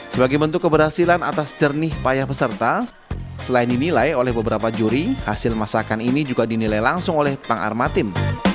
sebagai bentuk keberhasilan atas jernih payah peserta selain dinilai oleh beberapa juri hasil masakan ini juga dinilai langsung oleh pang armatim